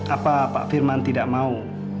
apa pak firman tidak mau